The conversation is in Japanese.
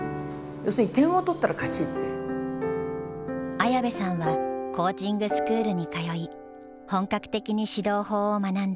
綾部さんはコーチングスクールに通い本格的に指導法を学んだ。